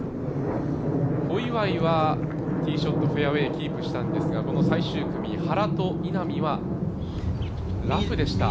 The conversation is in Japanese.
小祝はティーショットフェアウエーキープしたんですがこの最終組、原と稲見は、ラフでした。